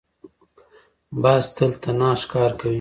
باز تل تنها ښکار کوي